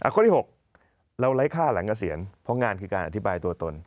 ข้อที่๖เราไร้ค่าหลังเกษียณเพราะงานคือการอธิบายตัวตน